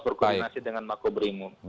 berkoordinasi dengan mako brimob